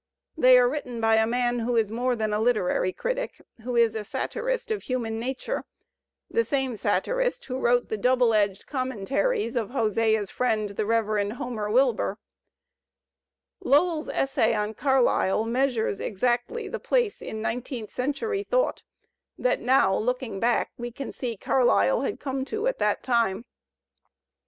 They are written by a man who is more than a literary critic, who is a satirist of hiunan nature, the same satirist who wrote the double edged conunentaries Digitized by Google 206 THE SPIRIT OF AMERICAN LITERATURE of Hosea's friend, the Rev. Homer Wilbur. Lowell's essay on Carlyle measures exactly the place in nineteenth centuiy thought that now, looking back, we can see Carlyle had come to at that time.